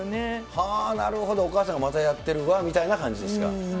はぁなるほど、お母さんがまたやってるわみたいな感じですか。